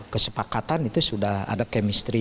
kesepakatan itu sudah ada chemistry